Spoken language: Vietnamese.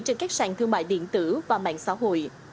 trên các sàn thương mại điện tử và mạng xã hội